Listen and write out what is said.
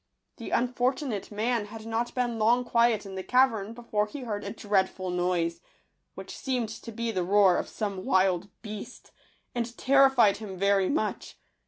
The unfortunate man had not been long quiet in the cavern before he heard a dreadful noise, which seemed to be the roar of some wild beast, and terrified him very much.